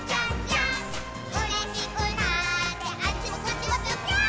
「うれしくなってあっちもこっちもぴょぴょーん」